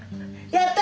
「やった！